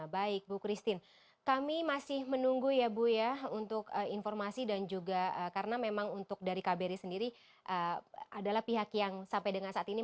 baik bu christine kami masih menunggu ya bu ya untuk informasi dan juga karena memang untuk dari kbri sendiri adalah pihak yang sampai dengan saat ini